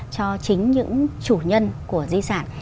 cho chính những chủ nhân của di sản